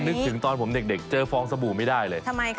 นึกถึงตอนผมเด็กเจอฟองสบู่ไม่ได้เลย